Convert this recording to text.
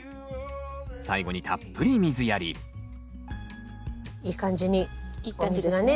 最後にたっぷり水やりいい感じにお水がね